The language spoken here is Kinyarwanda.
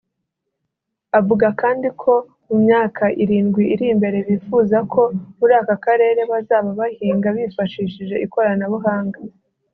Avuga kandi ko mu myaka irindwi iri imbere bifuza ko muri aka karere bazaba bahinga bifashishije ikoranabuhanga